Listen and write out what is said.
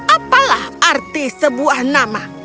apalah arti sebuah nama